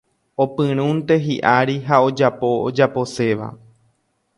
Opyrũnte hiʼári ha ojapo ojaposéva.